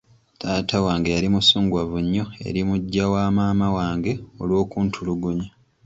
Taata wange yali musunguwavu nnyo eri muggya wamaama wange olw'okuntulugunya.